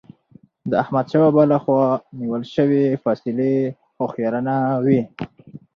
د احمدشاه بابا له خوا نیول سوي فيصلي هوښیارانه وي.